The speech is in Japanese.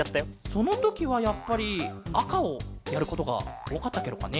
そのときはやっぱりあかをやることがおおかったケロかね？